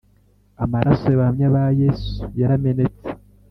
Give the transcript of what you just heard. amaraso y abahamya ba Yesu yaramenetse